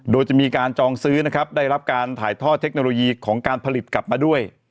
โดยจะมีการจองซื้อนะครับได้รับการถ่ายทอดเทคโนโลยีของการผลิตกลับมาด้วย